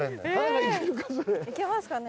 いけますかね？